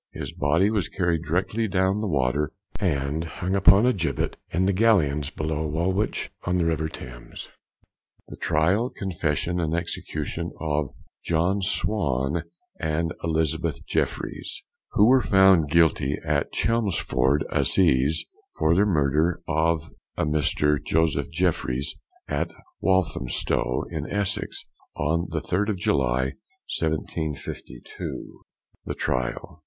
His body was carried directly down the water and hung upon a gibbet in the gallions below Woolwich, on the river Thames. THE TRIAL, CONFESSION, AND EXECUTION OF JOHN SWAN AND ELIZABETH JEFFRYES, _Who were found guilty at Chelmsford Assizes for the murder of Mr. Joseph Jeffryes, at Walthamstow, in Essex, on the 3rd of July, 1752._ THE TRIAL.